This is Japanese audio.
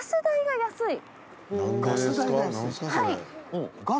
はい。